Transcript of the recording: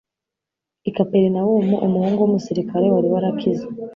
I Kaperinawumu, umuhungu w'umusirikare wari warakize